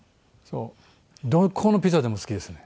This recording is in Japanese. どこのピザでも好きですね。